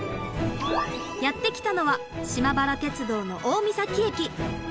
やって来たのは島原鉄道の大三東駅。